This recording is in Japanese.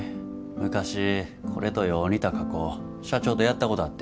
昔これとよう似た加工社長とやったことあって。